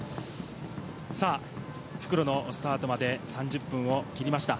さぁ、復路のスタートまで３０分を切りました。